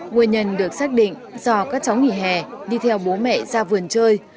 nguyên nhân được xác định do các cháu nghỉ hè đi theo bố mẹ ra vườn chơi